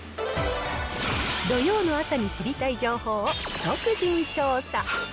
土曜の朝に知りたい情報を独自に調査。